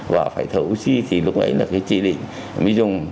và phải thở oxy thì lúc ấy là trị định mới dùng